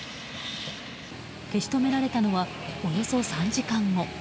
消し止められたのはおよそ３時間後。